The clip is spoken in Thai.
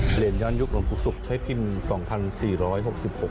เหรียญย่อนยุคหลวงปู่ศุกร์ใช้พิมพ์๒๔๖๖